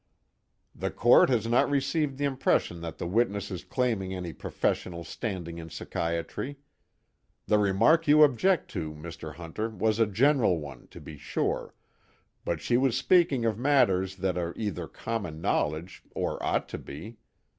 _ "The Court has not received the impression that the witness is claiming any professional standing in psychiatry. The remark you object to, Mr. Hunter, was a general one, to be sure; but she was speaking of matters that are either common knowledge or ought to be.